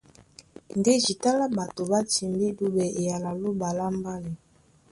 Ndé jǐta lá ɓato ɓá timbí dúɓɛ eyala a Lóɓa lá mbálɛ.